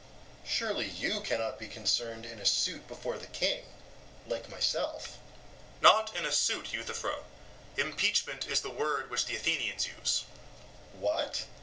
Surely you cannot be concerned in a suit before the King, like myself? SOCRATES: Not in a suit, Euthyphro; impeachment is the word which the Athenians use. EUTHYPHRO: What!